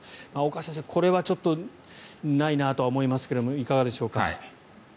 岡先生、これはちょっとないなとは思いますけれどもいかがでしょうか。